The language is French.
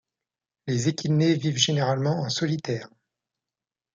Les échidnés vivent généralement en solitaire.